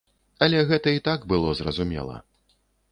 Але гэта і так было зразумела.